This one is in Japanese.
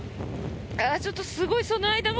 ちょっとすごい、その間も